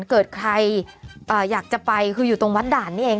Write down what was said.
เกิดใครอยากจะไปคืออยู่ตรงวัดด่านนี่เอง